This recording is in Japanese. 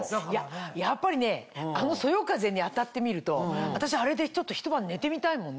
やっぱりねあのそよ風に当たってみると私あれでひと晩寝てみたいもんね。